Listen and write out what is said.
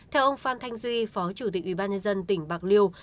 theo ông phan thanh duy phó chủ tịch ubnd tỉnh bạc liêu